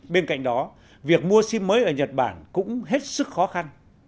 bên cạnh đó việc mua sim mới ở nhật bản cũng hết sức khó khăn